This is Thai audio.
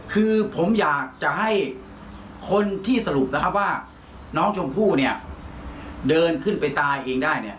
คือผมอยากจะให้คนที่สรุปนะครับว่าน้องชมพู่เนี่ยเดินขึ้นไปตายเองได้เนี่ย